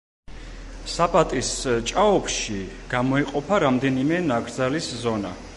საპატის ჭაობში გამოიყოფა რამდენიმე ნაკრძალის ზონა.